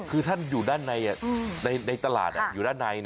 คือท่านอยู่ด้านในในตลาดอยู่ด้านใน